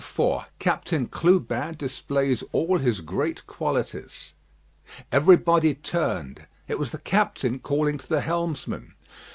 IV CAPTAIN CLUBIN DISPLAYS ALL HIS GREAT QUALITIES Everybody turned. It was the captain calling to the helmsman.